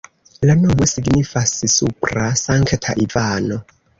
La nomo signifas supra-Sankta-Ivano.